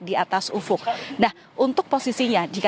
di atas ufuk nah untuk posisinya jika